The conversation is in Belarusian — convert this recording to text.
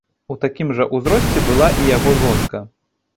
У такім жа ўзросце была і яго жонка.